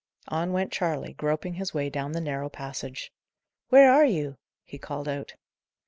On went Charley, groping his way down the narrow passage. "Where are you?" he called out.